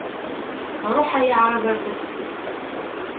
Ruḥ ay aɛrab ar tafsut!